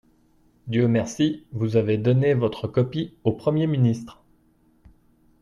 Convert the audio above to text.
Dieu merci, vous avez donné votre copie au Premier ministre.